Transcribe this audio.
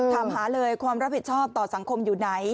ถามหาเลยความรับผิดชอบต่อสังคมอยู่ไหน